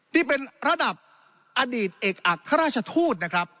นี่เป็นระดับอดีตเอกอัครราชทูตนะครับ